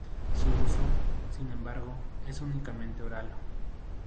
Su uso, sin embargo, es únicamente oral.